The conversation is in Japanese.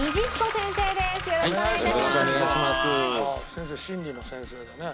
先生心理の先生でね。